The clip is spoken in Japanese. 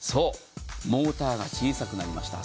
モーターが小さくなりました。